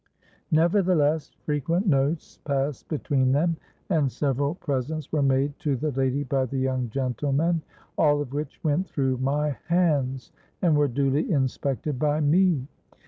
Nevertheless frequent notes passed between them, and several presents were made to the lady by the young gentleman, all of which went through my hands and were duly inspected by me.